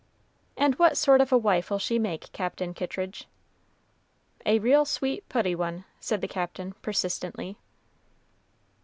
"And what sort of a wife'll she make, Captain Kittridge?" "A real sweet, putty one," said the Captain, persistently.